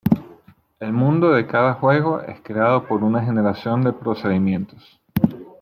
El mundo de cada juego es creado por una generación de procedimientos.